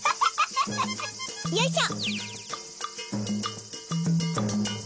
よいしょ。